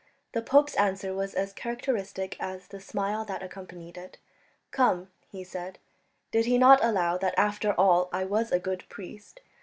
The pope's answer was as characteristic as the smile that accompanied it. "Come," he said, "did he not allow that after all I was a good priest?